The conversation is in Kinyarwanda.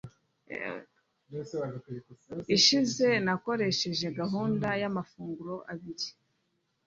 ishize nakoresheje gahunda yamafunguro abiri